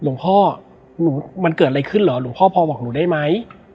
หลวงพ่อมันเกิดอะไรขึ้นเหรอหลวงพ่อพอบอกหนูได้ไหม